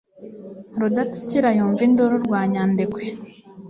Rudatsikira yumva induru rwa Nyandekwe